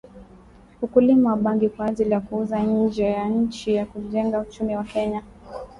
Ukulima wa bangi kwa ajili ya kuuza nje ya nchi na kujenga uchumi wa Kenya